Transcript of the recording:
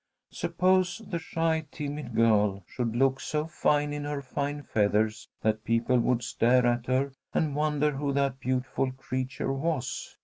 Suppose the shy, timid girl should look so fine in her fine feathers that people would stare at her and wonder who that beautiful creature was.